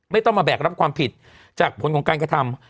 ไม่ต้องมาแบกรับความผิดจากผลของการกระทำ